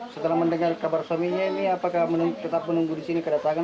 setelah mendengar kabar suaminya ini apakah tetap menunggu di sini kedatangan